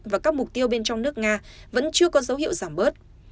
và các mục tiêu bên trong nước nga vẫn chưa có dấu hiệu giảm bớt